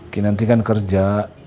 kinanti kan kerja